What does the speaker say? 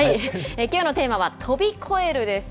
きょうのテーマは、とびこえるです。